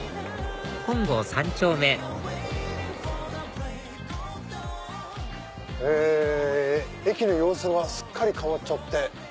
本郷三丁目駅の様相はすっかり変わっちゃって。